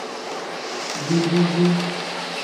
Jidudu.